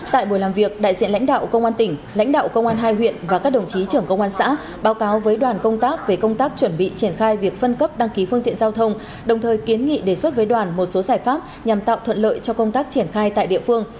tại buổi làm việc đại diện lãnh đạo công an tỉnh lãnh đạo công an hai huyện và các đồng chí trưởng công an xã báo cáo với đoàn công tác về công tác chuẩn bị triển khai việc phân cấp đăng ký phương tiện giao thông đồng thời kiến nghị đề xuất với đoàn một số giải pháp nhằm tạo thuận lợi cho công tác triển khai tại địa phương